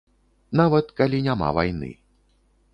Нават калі няма вайны.